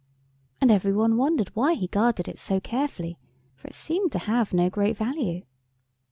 And every one wondered why he guarded it so carefully, for it seemed to have no great value.